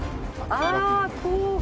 あぁこう。